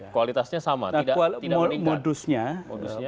kualitasnya sama tidak meningkat